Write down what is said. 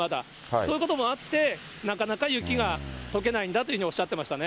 そういうこともあって、なかなか雪がとけないんだというふうにおっしゃってましたね。